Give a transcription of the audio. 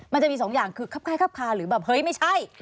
มันจะมี๒อย่างคือไคล้หรืออย่างน้อยไม่ใช่